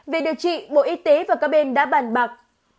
về điều trị bộ y tế và các bên đã bàn bạc